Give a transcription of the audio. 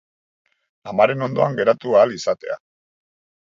Amaren ondoan geratu ahal izatea.